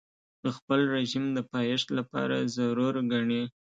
د خپل رژیم د پایښت لپاره ضرور ګڼي.